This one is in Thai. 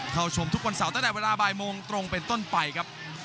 เข้าชมทุกวันเสาร์ตั้งแต่เวลาบ่ายโมงตรงเป็นต้นไปครับ